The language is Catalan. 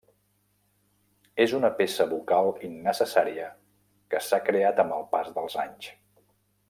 És una peça bucal innecessària que s’ha creat amb el pas dels anys.